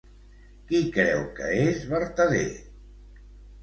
Qui creu que és vertader?